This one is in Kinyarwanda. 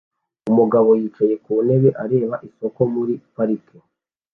Umugabo yicaye ku ntebe areba isoko muri parike